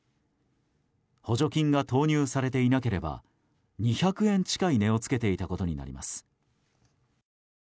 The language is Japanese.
補助金が投入されていなければ２００円近い値を付けていたことになります。